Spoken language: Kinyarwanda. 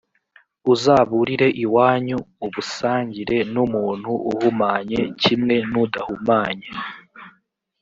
uzaburire iwanyu, ubusangire n’umuntu uhumanye kimwe n’udahumanye,